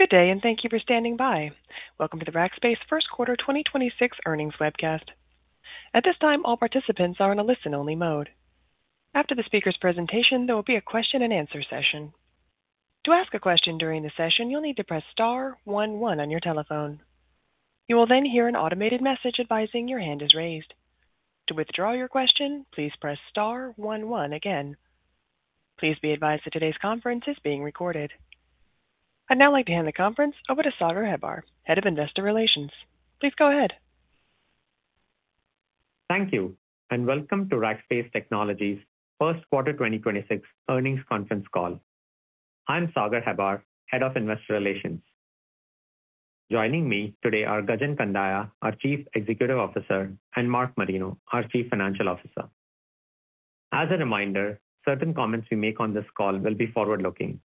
Good day and thank you for standing by. Welcome to the Rackspace's 1st quarter 2026 earnings webcast. At this time, all participants are in listen only mode. After the speakers presentation, there'll be a question and answer session. To ask a question during the session, you'll need to press star one one on your telephone. You will then hear an automated message advising your hand is raised. To withdraw your question, please press star one one again. Please be advised that today's conference is being recorded. I'd now like to hand the conference over to Sagar Hebbar, Head of Investors Relations. Please go ahead. Thank you, and welcome to Rackspace Technology's first quarter 2026 earnings conference call. I'm Sagar Hebbar, Head of Investor Relations. Joining me today are Gajen Kandiah, our Chief Executive Officer, and Mark Marino, our Chief Financial Officer, Rackspace Technology. As a reminder, certain comments we make on this call will be forward-looking.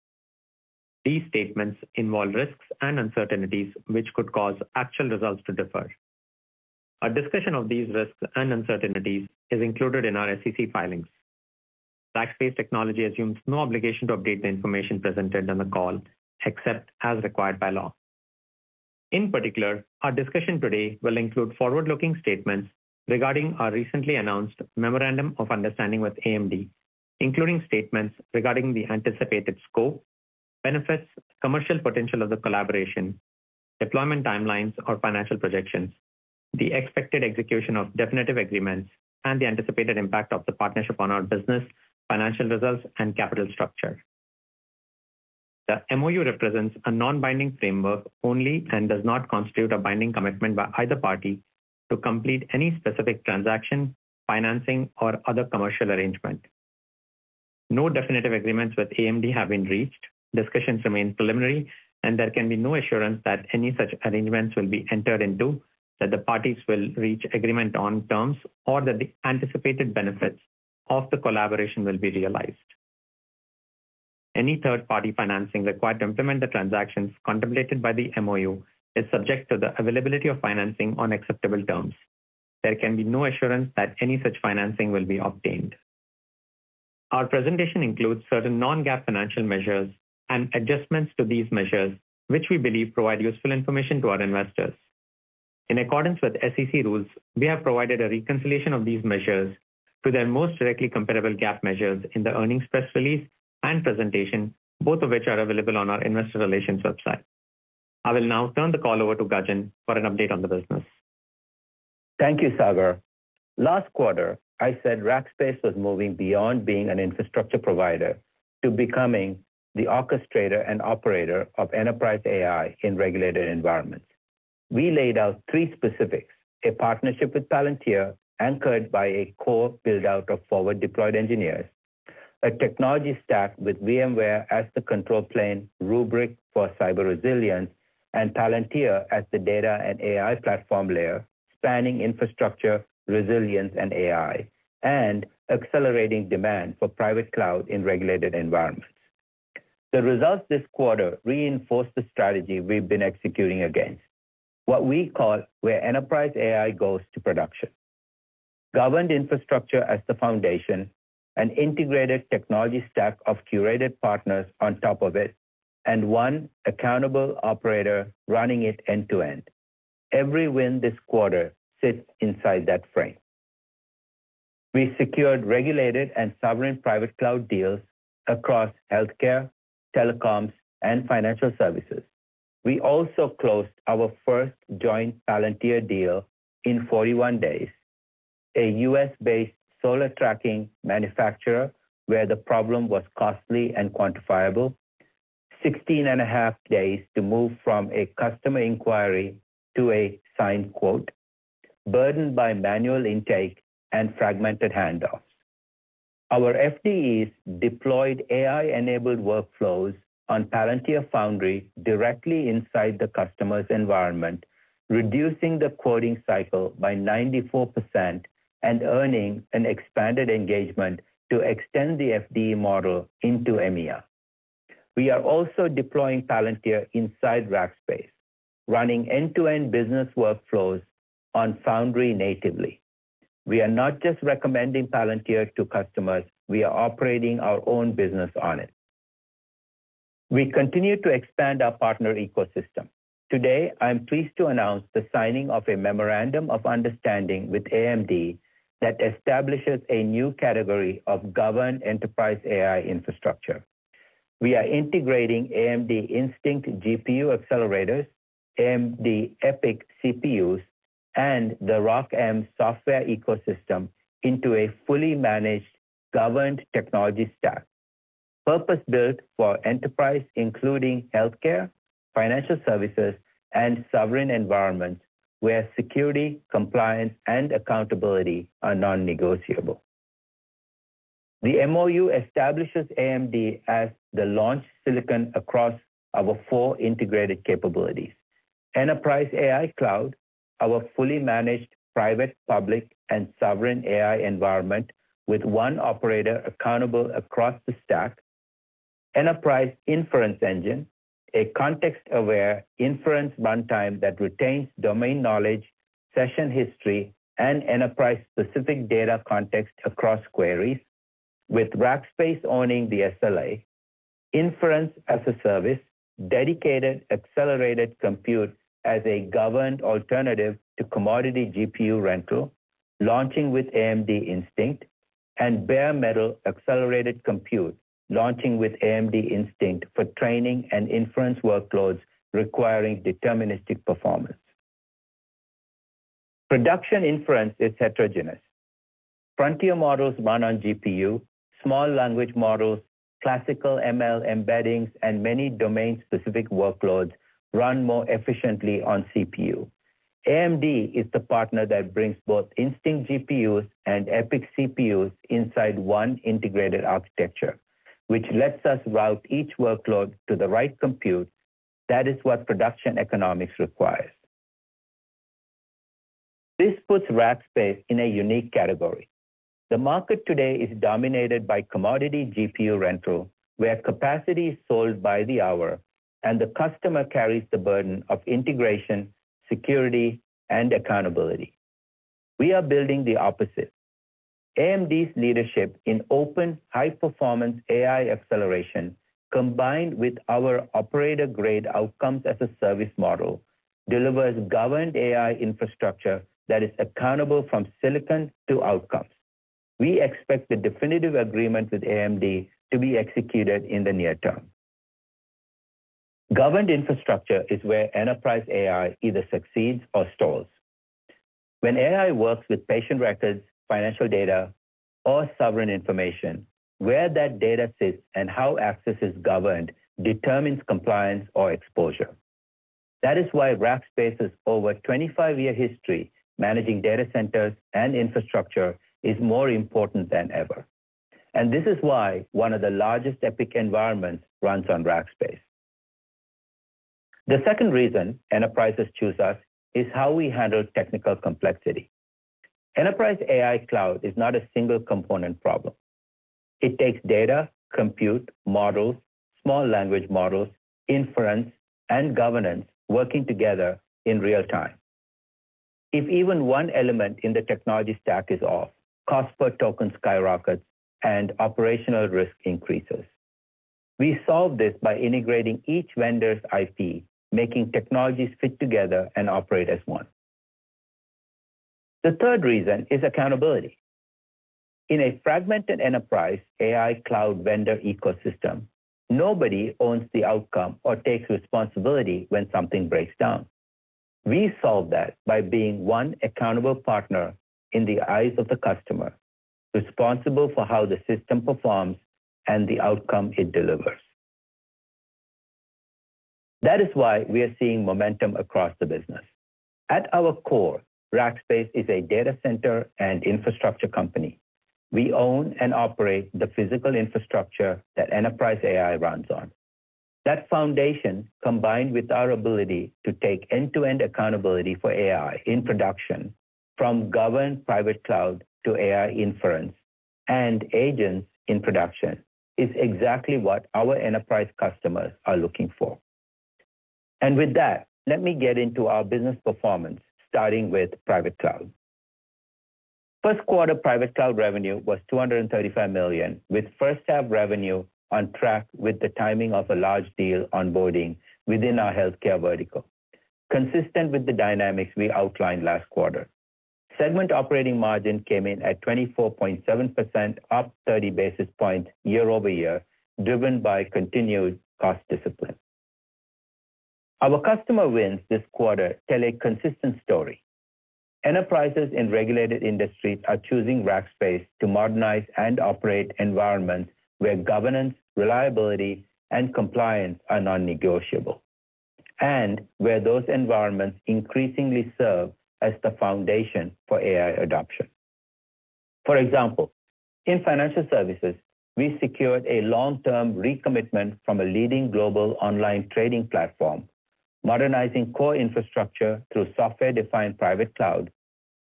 These statements involve risks and uncertainties which could cause actual results to differ. A discussion of these risks and uncertainties is included in our SEC filings. Rackspace Technology assumes no obligation to update the information presented on the call except as required by law. In particular, our discussion today will include forward-looking statements regarding our recently announced memorandum of understanding with AMD, including statements regarding the anticipated scope, benefits, commercial potential of the collaboration, deployment timelines or financial projections, the expected execution of definitive agreements, and the anticipated impact of the partnership on our business, financial results, and capital structure. The MoU represents a non-binding framework only and does not constitute a binding commitment by either party to complete any specific transaction, financing, or other commercial arrangement. No definitive agreements with AMD have been reached. Discussions remain preliminary, and there can be no assurance that any such arrangements will be entered into, that the parties will reach agreement on terms, or that the anticipated benefits of the collaboration will be realized. Any third-party financing required to implement the transactions contemplated by the MoU is subject to the availability of financing on acceptable terms. There can be no assurance that any such financing will be obtained. Our presentation includes certain non-GAAP financial measures and adjustments to these measures, which we believe provide useful information to our investors. In accordance with SEC rules, we have provided a reconciliation of these measures to their most directly comparable GAAP measures in the earnings press release and presentation, both of which are available on our investor relations website. I will now turn the call over to Gajen for an update on the business. Thank you, Sagar. Last quarter, I said Rackspace was moving beyond being an infrastructure provider to becoming the orchestrator and operator of enterprise AI in regulated environments. We laid out three specifics: a partnership with Palantir anchored by a core build-out of forward deployed engineers, a technology stack with VMware as the control plane, Rubrik for cyber resilience, and Palantir as the data and AI platform layer spanning infrastructure, resilience, and AI, and accelerating demand for Private Cloud in regulated environments. The results this quarter reinforce the strategy we've been executing against. What we call where enterprise AI goes to production. Governed infrastructure as the foundation, an integrated technology stack of curated partners on top of it, and one accountable operator running it end-to-end. Every win this quarter sits inside that frame. We secured regulated and sovereign Private Cloud deals across healthcare, telecoms, and financial services. We also closed our first joint Palantir deal in 41 days, a U.S.-based solar tracking manufacturer where the problem was costly and quantifiable. 16.5 days to move from a customer inquiry to a signed quote, burdened by manual intake and fragmented handoffs. Our FDEs deployed AI-enabled workflows on Palantir Foundry directly inside the customer's environment, reducing the quoting cycle by 94% and earning an expanded engagement to extend the FDE model into EMEA. We are also deploying Palantir inside Rackspace, running end-to-end business workflows on Foundry natively. We are not just recommending Palantir to customers, we are operating our own business on it. We continue to expand our partner ecosystem. Today, I am pleased to announce the signing of a memorandum of understanding with AMD that establishes a new category of governed enterprise AI infrastructure. We are integrating AMD Instinct GPU accelerators, AMD EPYC CPUs, and the ROCm software ecosystem into a fully managed, governed technology stack, purpose-built for enterprise, including healthcare, financial services, and sovereign environments where security, compliance, and accountability are non-negotiable. The MoU establishes AMD as the launch silicon across our four integrated capabilities. Enterprise AI Cloud, our fully managed private, public, and sovereign AI environment with one operator accountable across the stack. Enterprise Inference Engine, a context-aware inference runtime that retains domain knowledge, session history, and enterprise-specific data context across queries. With Rackspace owning the SLA, inference as a service, dedicated accelerated compute as a governed alternative to commodity GPU rental, launching with AMD Instinct and bare metal accelerated compute, launching with AMD Instinct for training and inference workloads requiring deterministic performance. Production inference is heterogeneous. Frontier models run on GPU, small language models, classical ML embeddings, and many domain-specific workloads run more efficiently on CPU. AMD is the partner that brings both Instinct GPUs and EPYC CPUs inside one integrated architecture, which lets us route each workload to the right compute. That is what production economics requires. This puts Rackspace in a unique category. The market today is dominated by commodity GPU rental, where capacity is sold by the hour and the customer carries the burden of integration, security, and accountability. We are building the opposite. AMD's leadership in open high-performance AI acceleration, combined with our operator-grade outcomes as a service model, delivers governed AI infrastructure that is accountable from silicon to outcomes. We expect the definitive agreement with AMD to be executed in the near term. Governed infrastructure is where enterprise AI either succeeds or stalls. When AI works with patient records, financial data, or sovereign information, where that data sits and how access is governed determines compliance or exposure. That is why Rackspace's over 25-year history managing data centers and infrastructure is more important than ever, and this is why one of the largest Epic environments runs on Rackspace. The second reason enterprises choose us is how we handle technical complexity. Enterprise AI Cloud is not a single component problem. It takes data, compute, models, Small Language Models, inference, and governance working together in real time. If even one element in the technology stack is off, cost per token skyrockets and operational risk increases. We solve this by integrating each vendor's IP, making technologies fit together and operate as one. The third reason is accountability. In a fragmented Enterprise AI Cloud vendor ecosystem, nobody owns the outcome or takes responsibility when something breaks down. We solve that by being one accountable partner in the eyes of the customer, responsible for how the system performs and the outcome it delivers. That is why we are seeing momentum across the business. At our core, Rackspace is a data center and infrastructure company. We own and operate the physical infrastructure that enterprise AI runs on. That foundation, combined with our ability to take end-to-end accountability for AI in production from governed Private Cloud to AI inference and agents in production, is exactly what our enterprise customers are looking for. With that, let me get into our business performance, starting with Private Cloud. first quarter Private Cloud revenue was $235 million, with first half revenue on track with the timing of a large deal onboarding within our healthcare vertical. Consistent with the dynamics we outlined last quarter. Segment operating margin came in at 24.7%, up 30 basis points year-over-year, driven by continued cost discipline. Our customer wins this quarter tell a consistent story. Enterprises in regulated industries are choosing Rackspace to modernize and operate environments where governance, reliability, and compliance are non-negotiable, and where those environments increasingly serve as the foundation for AI adoption. For example, in financial services, we secured a long-term recommitment from a leading global online trading platform, modernizing core infrastructure through software-defined private cloud,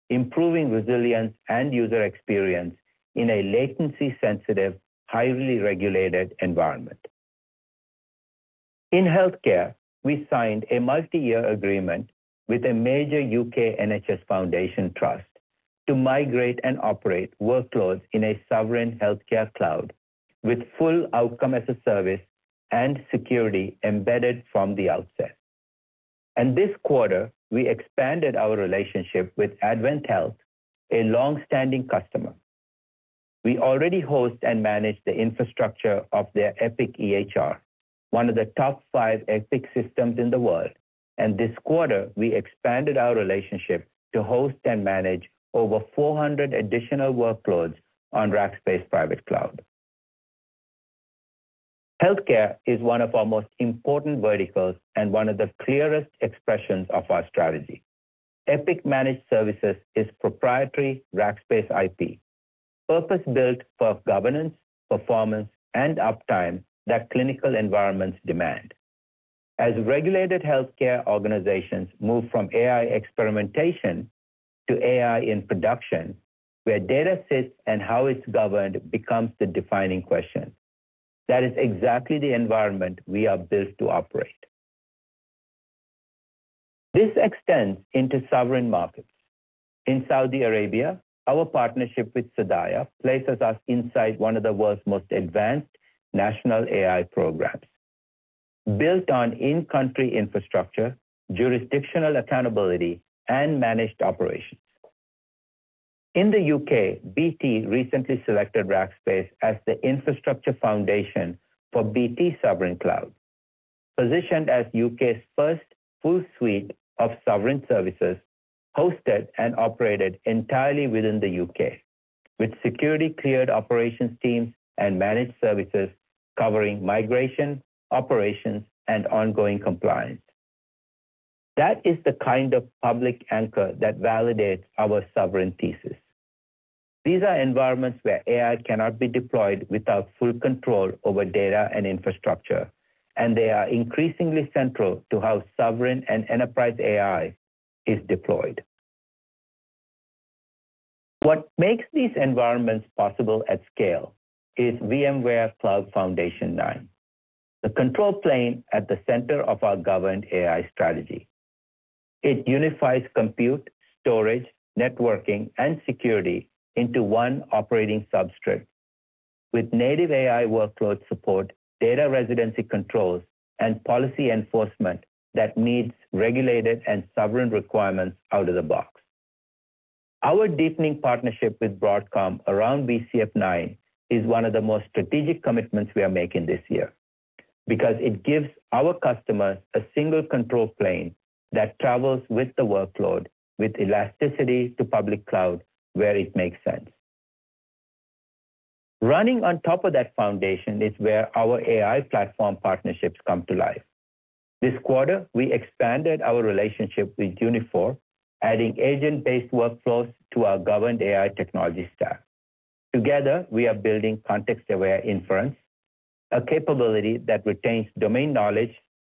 improving resilience and user experience in a latency-sensitive, highly regulated environment. In healthcare, we signed a multi-year agreement with a major U.K. NHS Foundation Trust to migrate and operate workloads in a sovereign healthcare cloud with full outcome as a service and security embedded from the outset. This quarter, we expanded our relationship with AdventHealth, a long-standing customer. We already host and manage the infrastructure of their Epic EHR, one of the top five Epic systems in the world. This quarter, we expanded our relationship to host and manage over 400 additional workloads on Rackspace Private Cloud. Healthcare is one of our most important verticals and one of the clearest expressions of our strategy. Epic Managed Services is proprietary Rackspace IP, purpose-built for governance, performance, and uptime that clinical environments demand. As regulated healthcare organizations move from AI experimentation to AI in production, where data sits and how it's governed becomes the defining question. That is exactly the environment we are built to operate. This extends into sovereign markets. In Saudi Arabia, our partnership with SDAIA places us inside 1 of the world's most advanced national AI programs, built on in-country infrastructure, jurisdictional accountability, and managed operations. In the U.K., BT recently selected Rackspace as the infrastructure foundation for BT Sovereign Cloud, positioned as U.K.'s first full suite of sovereign services hosted and operated entirely within the U.K., with security cleared operations teams and managed services covering migration, operations, and ongoing compliance. That is the kind of public anchor that validates our sovereign thesis. These are environments where AI cannot be deployed without full control over data and infrastructure, and they are increasingly central to how sovereign and enterprise AI is deployed. What makes these environments possible at scale is VMware Cloud Foundation 9, the control plane at the center of our governed AI strategy. It unifies compute, storage, networking, and security into one operating substrate with native AI workload support, data residency controls, and policy enforcement that meets regulated and sovereign requirements out of the box. Our deepening partnership with Broadcom around VCF 9 is one of the most strategic commitments we are making this year because it gives our customers a single control plane that travels with the workload with elasticity to public cloud where it makes sense. Running on top of that foundation is where our AI platform partnerships come to life. This quarter, we expanded our relationship with Uniphore, adding agent-based workflows to our governed AI technology stack. Together, we are building context-aware inference, a capability that retains domain knowledge,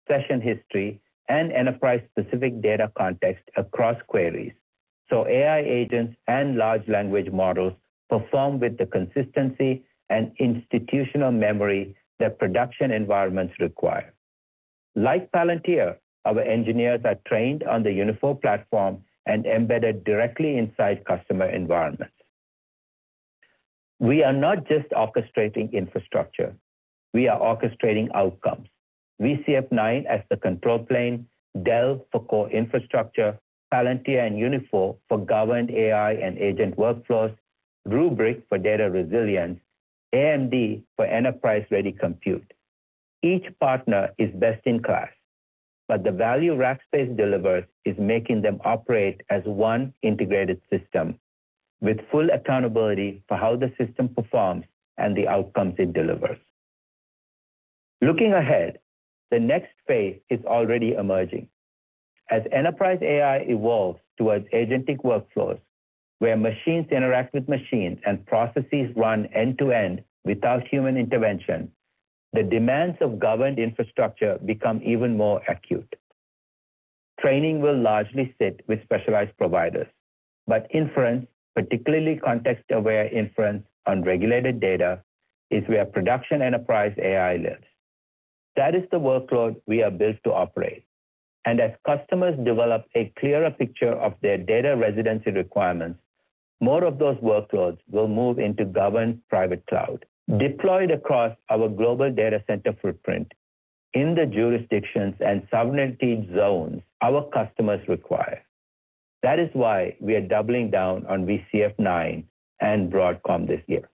session history, and enterprise-specific data context across queries. AI agents and large language models perform with the consistency and institutional memory that production environments require. Like Palantir, our engineers are trained on the Uniphore platform and embedded directly inside customer environments. We are not just orchestrating infrastructure, we are orchestrating outcomes. VCF 9 as the control plane, Dell for core infrastructure, Palantir and Uniphore for governed AI and agent workflows, Rubrik for data resilience, AMD for enterprise-ready compute. Each partner is best in class, but the value Rackspace delivers is making them operate as one integrated system with full accountability for how the system performs and the outcomes it delivers. Looking ahead, the next phase is already emerging. As enterprise AI evolves towards agentic workflows, where machines interact with machines and processes run end to end without human intervention, the demands of governed infrastructure become even more acute. Training will largely sit with specialized providers, but inference, particularly context-aware inference on regulated data, is where production enterprise AI lives. That is the workload we are built to operate. As customers develop a clearer picture of their data residency requirements, more of those workloads will move into governed Private Cloud, deployed across our global data center footprint in the jurisdictions and sovereignty zones our customers require. That is why we are doubling down on VCF 9 and Broadcom this year.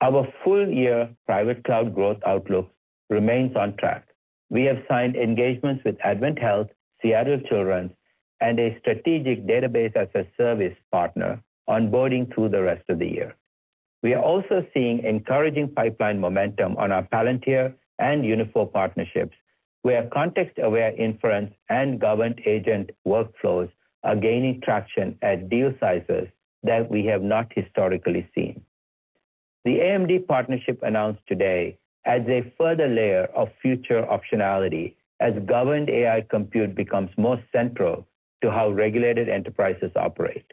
Our full year Private Cloud growth outlook remains on track. We have signed engagements with AdventHealth, Seattle Children's, and a strategic database as a service partner onboarding through the rest of the year. We are also seeing encouraging pipeline momentum on our Palantir and Uniphore partnerships, where context-aware inference and governed agent workflows are gaining traction at deal sizes that we have not historically seen. The AMD partnership announced today adds a further layer of future optionality as governed AI compute becomes more central to how regulated enterprises operate.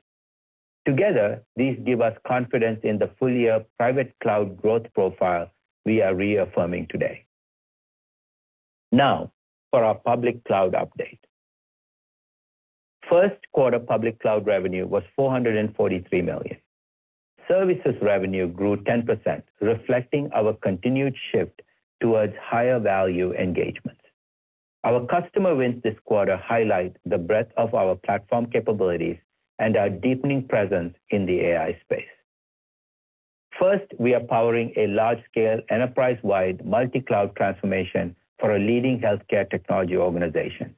Together, these give us confidence in the full year private cloud growth profile we are reaffirming today. For our public cloud update. First quarter public cloud revenue was $443 million. Services revenue grew 10%, reflecting our continued shift towards higher value engagements. Our customer wins this quarter highlight the breadth of our platform capabilities and our deepening presence in the AI space. We are powering a large scale, enterprise-wide multi-cloud transformation for a leading healthcare technology organization.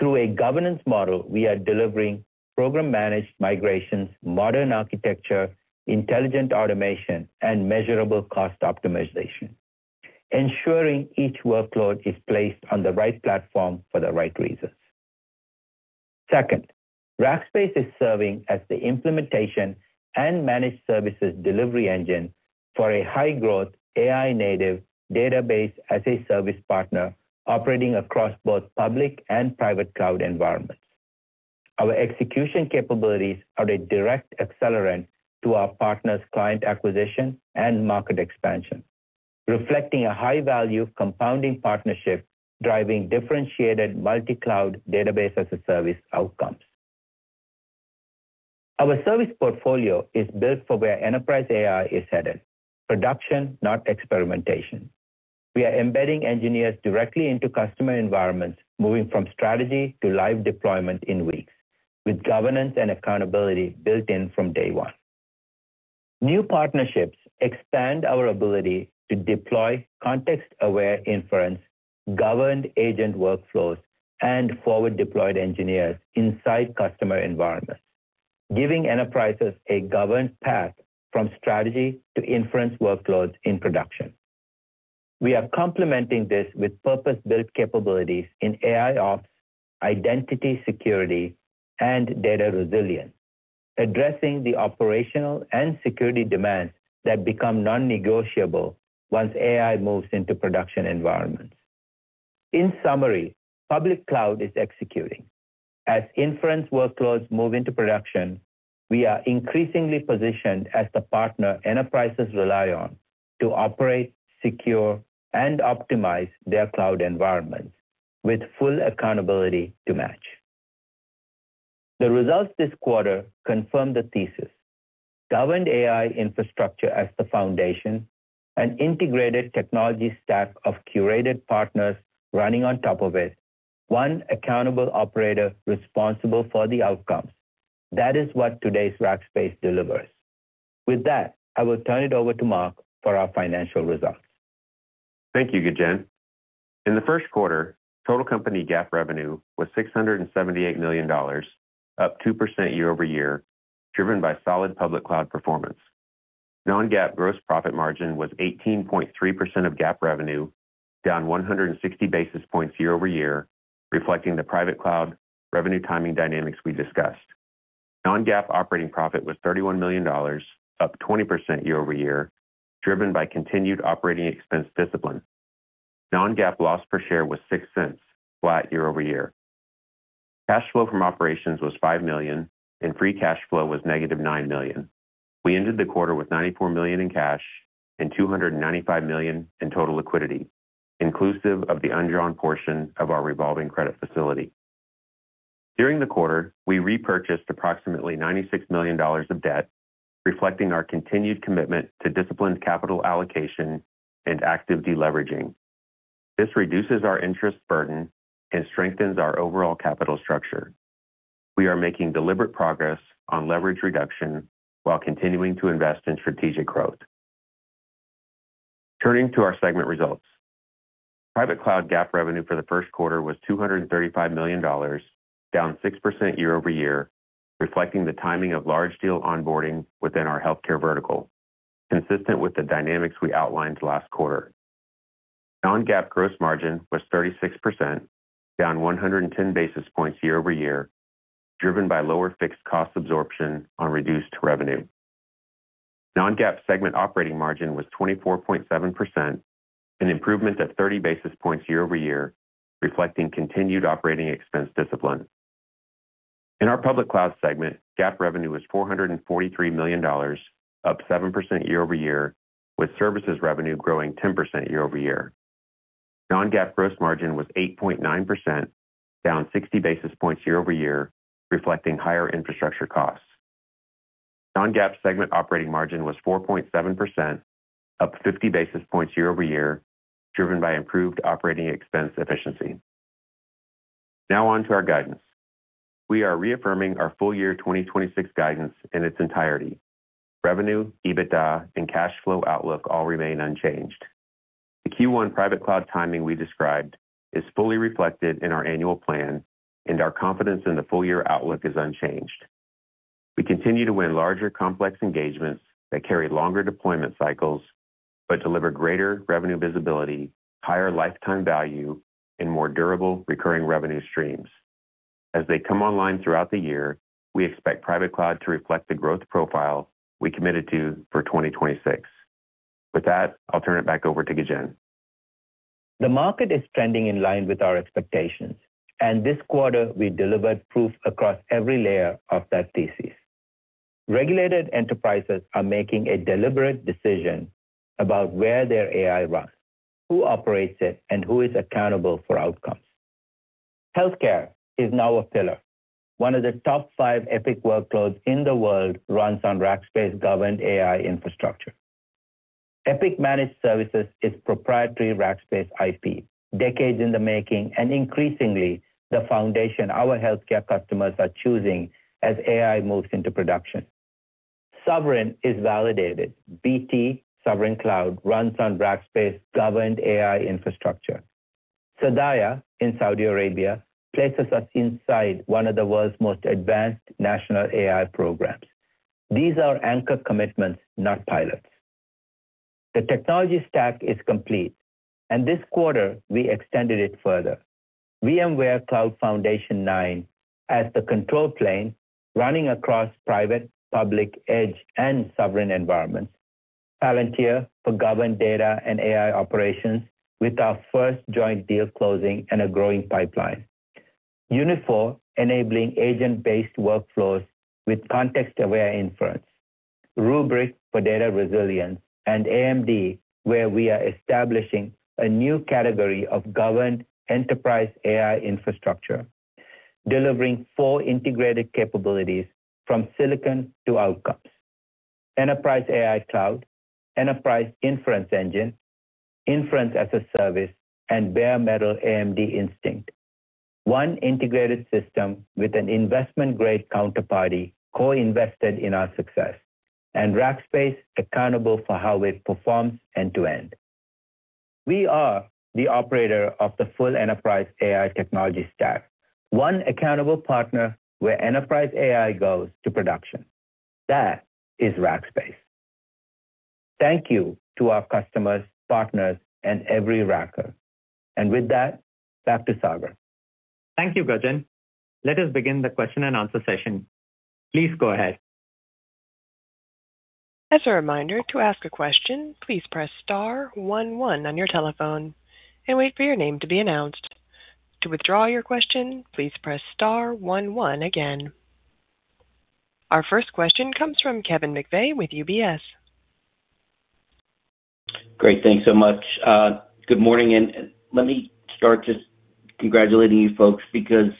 Through a governance model, we are delivering program managed migrations, modern architecture, intelligent automation, and measurable cost optimization, ensuring each workload is placed on the right platform for the right reasons. Second, Rackspace is serving as the implementation and managed services delivery engine for a high growth AI native database as a service partner operating across both Public Cloud and Private Cloud environments. Our execution capabilities are a direct accelerant to our partners' client acquisition and market expansion, reflecting a high value compounding partnership, driving differentiated multi-cloud database as a service outcomes. Our service portfolio is built for where enterprise AI is headed, production, not experimentation. We are embedding engineers directly into customer environments, moving from strategy to live deployment in weeks, with governance and accountability built in from day one. New partnerships expand our ability to deploy context-aware inference, governed agent workflows, and forward deployed engineers inside customer environments, giving enterprises a governed path from strategy to inference workloads in production. We are complementing this with purpose-built capabilities in AIOps, identity security, and data resilience, addressing the operational and security demands that become non-negotiable once AI moves into production environments. In summary, Public Cloud is executing. As inference workloads move into production, we are increasingly positioned as the partner enterprises rely on to operate, secure, and optimize their cloud environments with full accountability to match. The results this quarter confirm the thesis. Governed AI infrastructure as the foundation, an integrated technology stack of curated partners running on top of it, one accountable operator responsible for the outcomes. That is what today's Rackspace delivers. With that, I will turn it over to Mark for our financial results. Thank you, Gajen. In the first quarter, total company GAAP revenue was $678 million, up 2% year-over-year, driven by solid public cloud performance. Non-GAAP gross profit margin was 18.3% of GAAP revenue, down 160 basis points year-over-year, reflecting the Private Cloud revenue timing dynamics we discussed. Non-GAAP operating profit was $31 million, up 20% year-over-year, driven by continued operating expense discipline. Non-GAAP loss per share was $0.06, flat year-over-year. Cash flow from operations was $5 million, free cash flow was -$9 million. We ended the quarter with $94 million in cash and $295 million in total liquidity, inclusive of the undrawn portion of our revolving credit facility. During the quarter, we repurchased approximately $96 million of debt, reflecting our continued commitment to disciplined capital allocation and active deleveraging. This reduces our interest burden and strengthens our overall capital structure. We are making deliberate progress on leverage reduction while continuing to invest in strategic growth. Turning to our segment results. Private Cloud GAAP revenue for the first quarter was $235 million, down 6% year-over-year, reflecting the timing of large deal onboarding within our healthcare vertical, consistent with the dynamics we outlined last quarter. Non-GAAP gross margin was 36%, down 110 basis points year-over-year, driven by lower fixed cost absorption on reduced revenue. Non-GAAP segment operating margin was 24.7%, an improvement of 30 basis points year-over-year, reflecting continued operating expense discipline. In our public cloud segment, GAAP revenue was $443 million, up 7% year-over-year, with services revenue growing 10% year-over-year. Non-GAAP gross margin was 8.9%, down 60 basis points year-over-year, reflecting higher infrastructure costs. Non-GAAP segment operating margin was 4.7%, up 50 basis points year-over-year, driven by improved operating expense efficiency. Now on to our guidance. We are reaffirming our full year 2026 guidance in its entirety. Revenue, EBITDA, and cash flow outlook all remain unchanged. The Q1 Private Cloud timing we described is fully reflected in our annual plan, and our confidence in the full year outlook is unchanged. We continue to win larger, complex engagements that carry longer deployment cycles but deliver greater revenue visibility, higher lifetime value, and more durable recurring revenue streams. As they come online throughout the year, we expect private cloud to reflect the growth profile we committed to for 2026. With that, I'll turn it back over to Gajen. The market is trending in line with our expectations, and this quarter we delivered proof across every layer of that thesis. Regulated enterprises are making a deliberate decision about where their AI runs, who operates it, and who is accountable for outcomes. Healthcare is now a pillar. One of the top five Epic workloads in the world runs on Rackspace governed AI infrastructure. Epic Managed Services is proprietary Rackspace IP, decades in the making, and increasingly the foundation our healthcare customers are choosing as AI moves into production. Sovereign is validated. BT Sovereign Cloud runs on Rackspace governed AI infrastructure. SDAIA in Saudi Arabia places us inside one of the world's most advanced national AI programs. These are anchor commitments, not pilots. The technology stack is complete, and this quarter we extended it further. VMware Cloud Foundation 9 as the control plane running across private, public, edge, and sovereign environments. Palantir for governed data and AI operations with our first joint deal closing and a growing pipeline. Uniphore enabling agent-based workflows with context-aware inference. Rubrik for data resilience. AMD, where we are establishing a new category of governed Enterprise AI infrastructure, delivering 4 integrated capabilities from silicon to outcomes. Enterprise AI Cloud, Enterprise Inference Engine, inference as a service, and bare metal AMD Instinct. One integrated system with an investment-grade counterparty co-invested in our success, and Rackspace accountable for how it performs end-to-end. We are the operator of the full Enterprise AI technology stack. One accountable partner where Enterprise AI goes to production. That is Rackspace. Thank you to our customers, partners, and every Racker. With that, back to Sagar. Thank you, Gajen Kandiah. Let us begin the question and answer session. Please go ahead. As a reminder, to ask a question, please press star one one on your telephone and wait for your name to be announced. To withdraw your question, please press star one one again. Our first question comes from Kevin McVeigh with UBS. Great. Thanks so much. Good morning, let me start just congratulating you folks because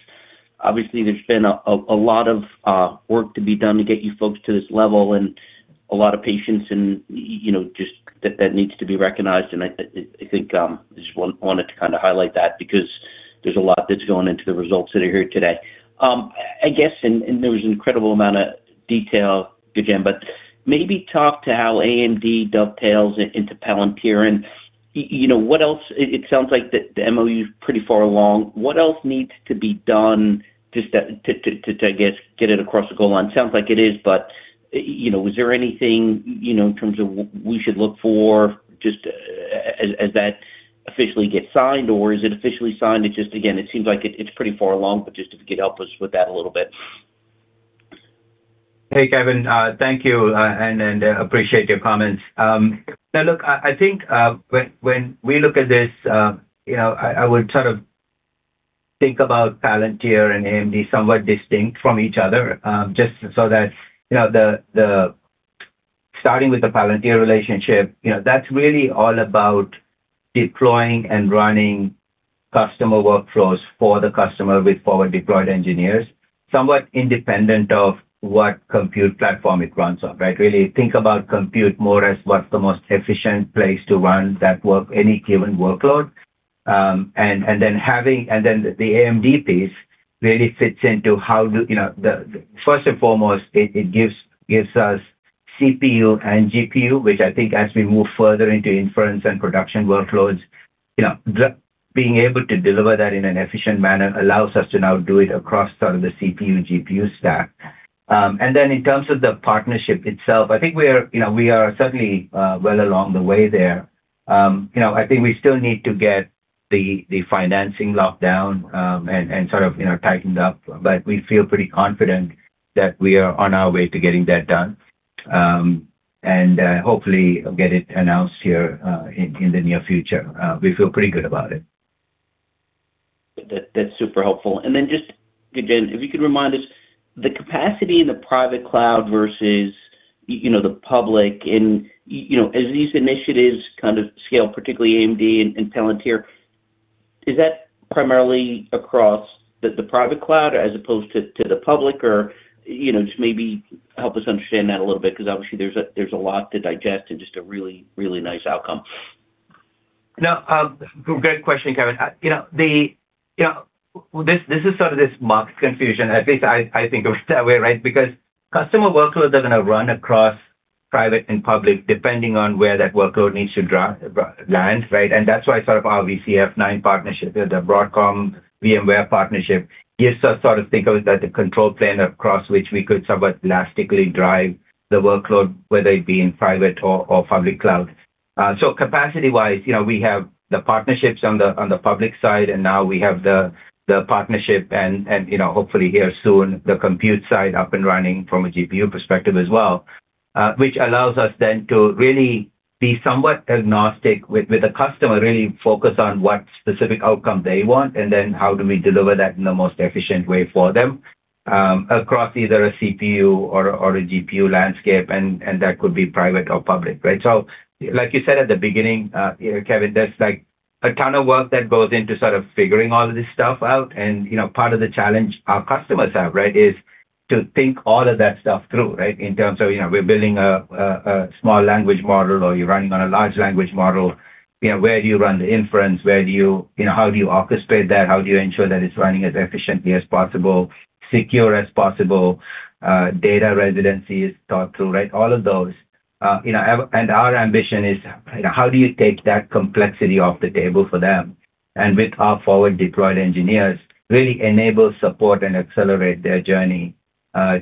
obviously there's been a lot of work to be done to get you folks to this level and a lot of patience and, you know, just that needs to be recognized. I think, I just wanted to kind of highlight that because there's a lot that's going into the results that are here today. I guess, there was an incredible amount of detail, Gajen, but maybe talk to how AMD dovetails into Palantir and, you know, what else It sounds like the MoU is pretty far along. What else needs to be done just to I guess get it across the goal line? Sounds like it is, but, you know, is there anything, you know, in terms of we should look for just as that officially gets signed, or is it officially signed? It just again, it seems like it's pretty far along, but just if you could help us with that a little bit. Hey, Kevin, thank you, and appreciate your comments. Now look, I think when we look at this, you know, I would sort of think about Palantir and AMD somewhat distinct from each other, just so that Starting with the Palantir relationship, you know, that's really all about deploying and running customer workflows for the customer with Forward Deployed Engineers, somewhat independent of what compute platform it runs on, right? Really think about compute more as what's the most efficient place to run that work, any given workload. The AMD piece really fits into how do, you know, first and foremost, it gives us CPU and GPU, which I think as we move further into inference and production workloads, you know, being able to deliver that in an efficient manner allows us to now do it across sort of the CPU, GPU stack. In terms of the partnership itself, I think we are, you know, we are certainly well along the way there. You know, I think we still need to get the financing locked down, and sort of, you know, tightened up, but we feel pretty confident that we are on our way to getting that done. Hopefully get it announced here in the near future. We feel pretty good about it. That's super helpful. Just, Gajen, if you could remind us the capacity in the Private Cloud versus you know, the Public and, you know, as these initiatives kind of scale, particularly AMD and Palantir, is that primarily across the Private Cloud as opposed to the Public? You know, just maybe help us understand that a little bit because obviously there's a, there's a lot to digest and just a really, really nice outcome. No, great question, Kevin. You know, this is sort of this marked confusion. At least I think of it that way, right? Customer workloads are gonna run across private and public, depending on where that workload needs to land, right? That's why sort of our VCF 9 partnership, the Broadcom-VMware partnership gives us sort of think of that, the control plane across which we could somewhat elastically drive the workload, whether it be in private or public cloud. Capacity-wise, you know, we have the partnerships on the public side, and now we have the partnership and, you know, hopefully here soon, the compute side up and running from a GPU perspective as well. Which allows us then to really be somewhat agnostic with the customer, really focus on what specific outcome they want, and then how do we deliver that in the most efficient way for them, across either a CPU or a GPU landscape, and that could be private or public, right? Like you said at the beginning, you know, Kevin, there's like a ton of work that goes into sort of figuring all of this stuff out. You know, part of the challenge our customers have, right, is to think all of that stuff through, right? In terms of, you know, we're building a Small Language Model or you're running on a Large Language Model. You know, where do you run the inference? Where do you know, how do you orchestrate that? How do you ensure that it's running as efficiently as possible, secure as possible. Data residency is thought through. All of those. You know, and our ambition is, you know, how do you take that complexity off the table for them? With our forward deployed engineers really enable, support, and accelerate their journey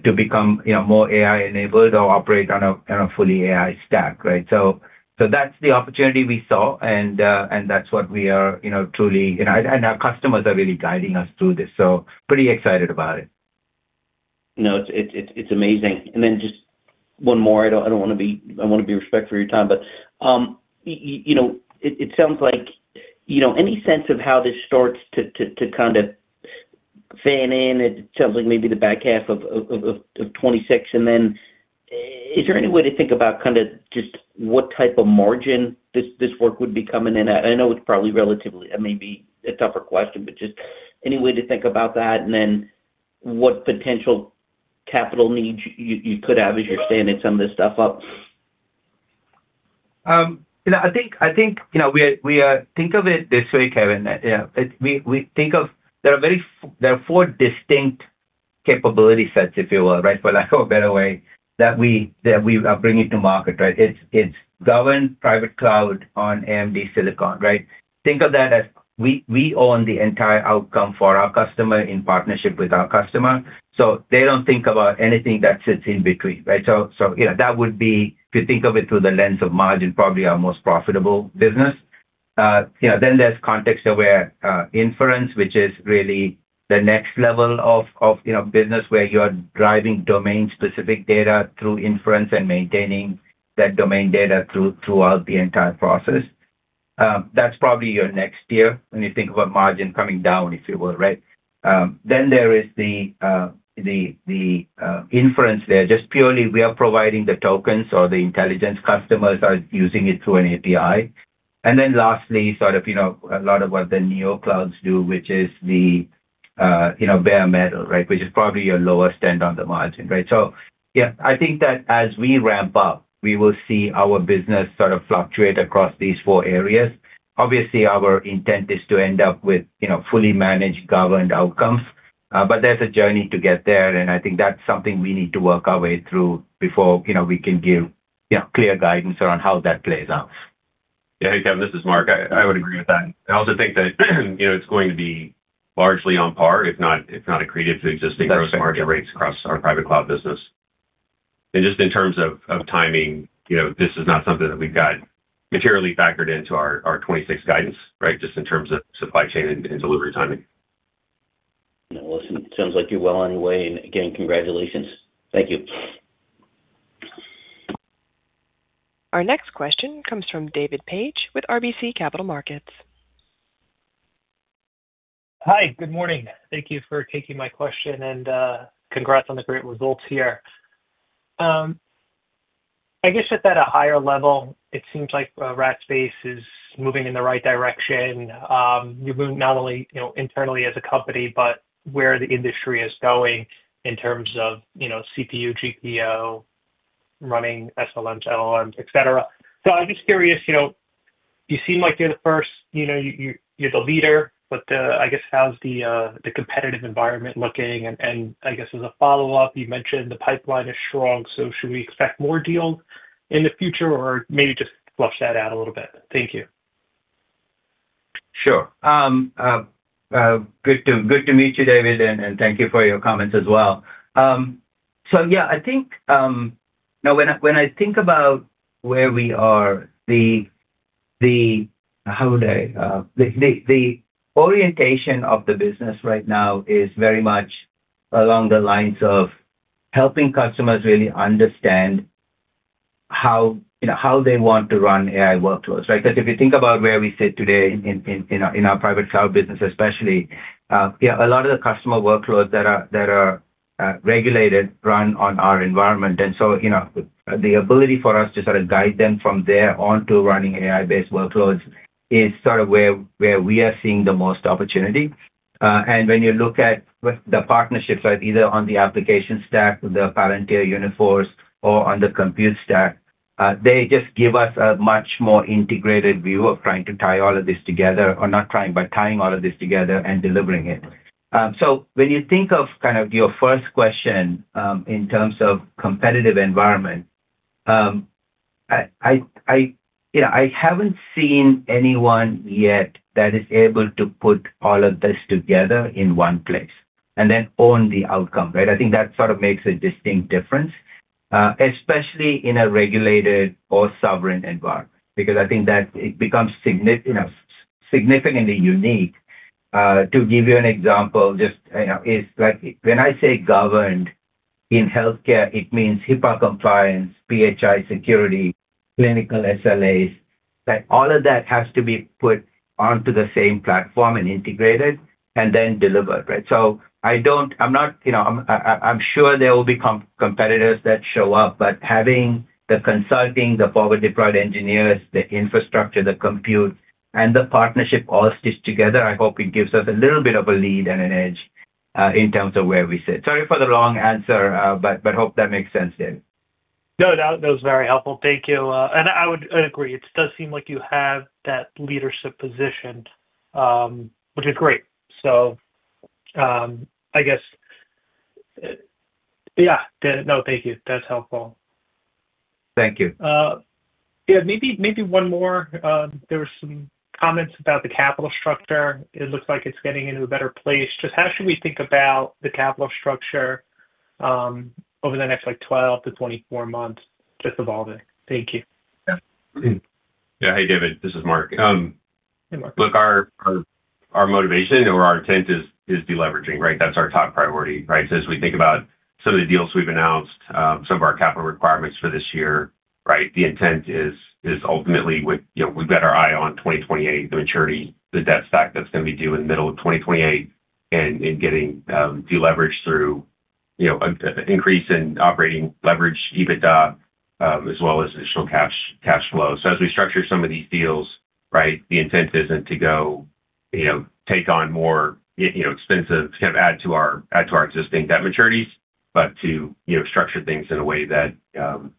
to become, you know, more AI enabled or operate on a fully AI stack. That's the opportunity we saw, and that's what we are, you know, truly, you know, and our customers are really guiding us through this. We are pretty excited about it. No, it's amazing. Just one more. I wanna be respectful of your time, but, you know, it sounds like, you know, any sense of how this starts to kind of fan in? It sounds like maybe the back half of 2026. Is there any way to think about kinda just what type of margin this work would be coming in at? I know it's probably relatively, maybe a tougher question, but just any way to think about that, and then what potential capital needs you could have as you're standing some of this stuff up? You know, I think, you know, we are Think of it this way, Kevin. We think of There are very four distinct capability sets, if you will, right? For lack of a better way that we are bringing to market, right? It's governed Private Cloud on AMD Silicon, right? Think of that as we own the entire outcome for our customer in partnership with our customer, so they don't think about anything that sits in between, right? You know, that would be, if you think of it through the lens of margin, probably our most profitable business. You know, then there's context-aware inference, which is really the next level of, you know, business where you are driving domain-specific data through inference and maintaining that domain data throughout the entire process. That's probably your next tier when you think about margin coming down, if you will, right? There is the inference there. Just purely we are providing the tokens or the intelligence customers are using it through an API. Lastly, sort of, you know, a lot of what the neo clouds do, which is the, you know, bare metal, right? Which is probably your lowest end on the margin, right? Yeah, I think that as we ramp up, we will see our business sort of fluctuate across these four areas. Obviously, our intent is to end up with, you know, fully managed governed outcomes. There's a journey to get there, and I think that's something we need to work our way through before, you know, we can give, you know, clear guidance around how that plays out. Yeah. Hey, Kevin, this is Mark. I would agree with that. I also think that, you know, it's going to be largely on par, if not accretive to existing gross margin rates across our private cloud business. Just in terms of timing, you know, this is not something that we've got materially factored into our 2026 guidance, right? Just in terms of supply chain and delivery timing. Well, listen, it sounds like you're well on your way. Again, congratulations. Thank you. Our next question comes from David Paige with RBC Capital Markets. Hi. Good morning. Thank you for taking my question, and congrats on the great results here. I guess just at a higher level, it seems like Rackspace is moving in the right direction. You're moving not only, you know, internally as a company, but where the industry is going in terms of, you know, CPU, GPU, running SLMs, LLMs, et cetera. I'm just curious, you know, you seem like you're the first, you know, you're the leader, but I guess, how's the competitive environment looking? I guess as a follow-up, you mentioned the pipeline is strong, so should we expect more deals in the future? Maybe just flush that out a little bit. Thank you. Sure. good to meet you, David, and thank you for your comments as well. Now when I think about where we are, the orientation of the business right now is very much along the lines of helping customers really understand how, you know, how they want to run AI workloads, right? If you think about where we sit today in our private cloud business especially, a lot of the customer workloads that are regulated run on our environment. You know, the ability for us to sort of guide them from there onto running AI-based workloads is sort of where we are seeing the most opportunity. When you look at with the partnerships, right, either on the application stack, the Palantir, Uniphore or on the compute stack, they just give us a much more integrated view of trying to tie all of this together. Not trying, but tying all of this together and delivering it. When you think of kind of your first question, in terms of competitive environment, I, you know, I haven't seen anyone yet that is able to put all of this together in one place and then own the outcome, right? I think that sort of makes a distinct difference, especially in a regulated or sovereign environment, because I think that it becomes you know, significantly unique. To give you an example, just, you know, is like when I say governed in healthcare, it means HIPAA compliance, PHI security, clinical SLAs, right? All of that has to be put onto the same platform and integrated and then delivered, right? I'm not, you know I'm sure there will be competitors that show up, but having the consulting, the forward-deployed engineers, the infrastructure, the compute, and the partnership all stitched together, I hope it gives us a little bit of a lead and an edge in terms of where we sit. Sorry for the long answer, but hope that makes sense, David. No, that was very helpful. Thank you. I agree, it does seem like you have that leadership position, which is great. I guess, yeah. No, thank you. That's helpful. Thank you. Yeah, maybe one more. There were some comments about the capital structure. It looks like it's getting into a better place. Just how should we think about the capital structure over the next 12 to 24 months just evolving? Thank you. Yeah. Hey, David, this is Mark. Look, our motivation or our intent is deleveraging, right? That's our top priority, right? As we think about some of the deals we've announced, some of our capital requirements for this year, right? The intent is ultimately with, you know, we've got our eye on 2028, the maturity, the debt stack that's gonna be due in the middle of 2028 and getting deleveraged through, you know, an increase in operating leverage, EBITDA, as well as additional cash flow. As we structure some of these deals, right? The intent isn't to go, you know, take on more, you know, expensive to kind of add to our existing debt maturities, but to, you know, structure things in a way that, you know,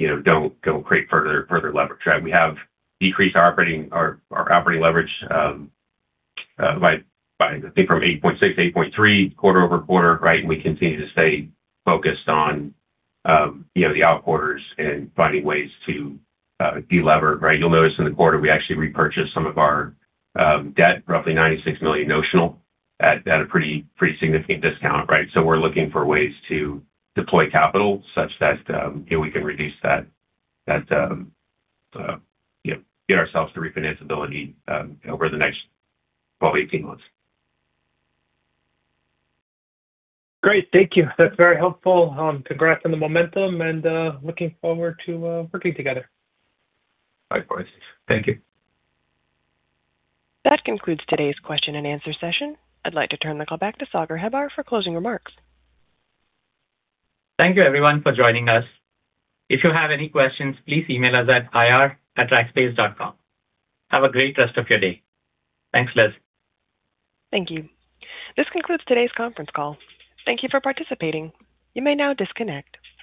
don't create further leverage. Right? We have decreased our operating, our operating leverage by I think from 8.6 to 8.3 quarter-over-quarter, right? We continue to stay focused on, you know, the out quarters and finding ways to delever, right? You'll notice in the quarter we actually repurchased some of our debt, roughly $96 million notional at a pretty significant discount, right? We're looking for ways to deploy capital such that, you know, we can reduce that, get ourselves to refinance ability over the next probably 18 months. Great. Thank you. That's very helpful. Congrats on the momentum and looking forward to working together. Likewise. Thank you. That concludes today's question and answer session. I'd like to turn the call back to Sagar Hebbar for closing remarks. Thank you everyone for joining us. If you have any questions, please email us at ir@rackspace.com. Have a great rest of your day. Thanks, Liz. Thank you. This concludes today's conference call. Thank you for participating. You may now disconnect.